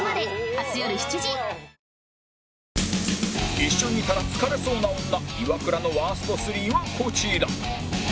一緒にいたら疲れそうな女イワクラのワースト３はこちら